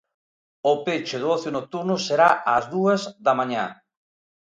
O peche do ocio nocturno será ás dúas da mañá.